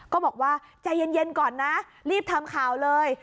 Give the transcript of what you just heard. ก็บอกว่าใจเย็นก่อนนะรีบทำข่าวเลย